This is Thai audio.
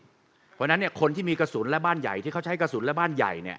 เพราะฉะนั้นคนที่มีกระสุนและบ้านใหญ่ที่เขาใช้กระสุนและบ้านใหญ่